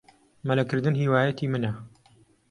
مەلەکردن هیوایەتی منە.